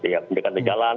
terjadi penjagaan di jalan